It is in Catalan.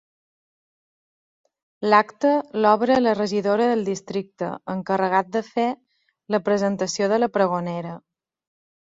L'acte l'obre la regidora del districte, encarregat de fer la presentació de la pregonera.